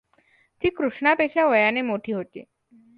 ती कृष्णा पेक्षा वयाने मोठी होती.